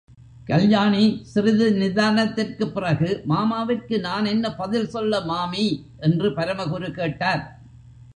கல்யாணி சிறிது நிதானத்திற்குப் பிறகு மாமாவிற்கு நான் என்ன பதில் சொல்ல மாமி? என்று பரமகுரு கேட்டார்.